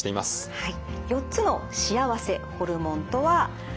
はい。